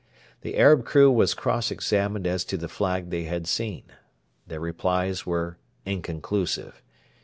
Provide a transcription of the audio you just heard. The Arab crew were cross examined as to the flag they had seen. Their replies were inconclusive.